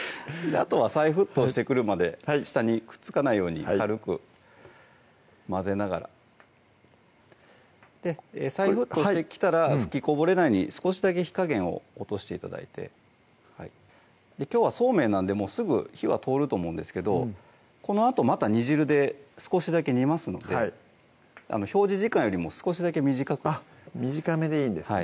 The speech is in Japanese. あとは再沸騰してくるまで下にくっつかないように軽く混ぜながら再沸騰してきたら吹きこぼれないように少しだけ火加減を落として頂いてきょうはそうめんなんですぐ火は通ると思うんですけどこのあとまた煮汁で少しだけ煮ますので表示時間よりも少しだけ短く短めでいいんですね